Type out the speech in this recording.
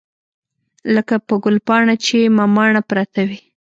لکه په ګلپاڼه چې مماڼه پرته وي.